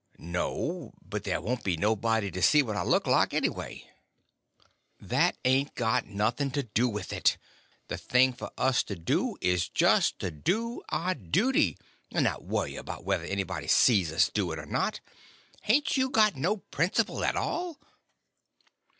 "No, but there won't be nobody to see what I look like, anyway." "That ain't got nothing to do with it. The thing for us to do is just to do our duty, and not worry about whether anybody sees us do it or not. Hain't you got no principle at all?"